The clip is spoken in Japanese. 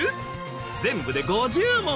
全部で５０問。